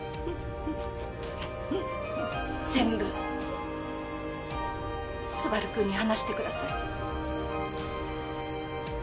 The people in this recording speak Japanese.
全部昴くんに話してください。